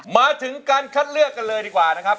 มาถึงการคัดเลือกกันเลยดีกว่านะครับ